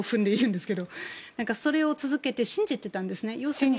それを続けて信じていたんですね。